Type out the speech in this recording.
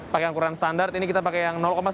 pakai angkuran standar ini kita pakai yang sembilan ya